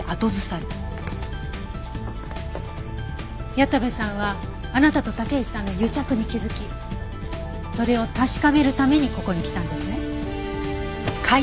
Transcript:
矢田部さんはあなたと武石さんの癒着に気づきそれを確かめるためにここに来たんですね？